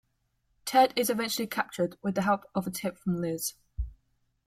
Ted is eventually captured with the help of a tip from Liz.